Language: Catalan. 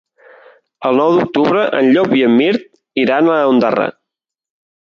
El nou d'octubre en Llop i en Mirt iran a Ondara.